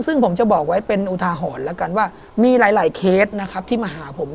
ซึ่งผมจะบอกไว้เป็นอุทาหอนแล้วกันว่ามีหลายเคสที่มาหาผม